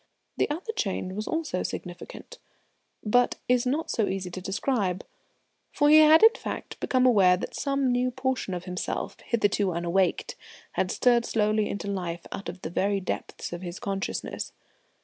The other change was also significant, but is not so easy to describe, for he had in fact become aware that some new portion of himself, hitherto unawakened, had stirred slowly into life out of the very depths of his consciousness.